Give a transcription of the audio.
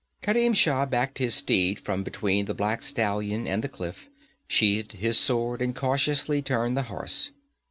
Kerim Shah backed his steed from between the black stallion and the cliff, sheathed his sword and cautiously turned the horse.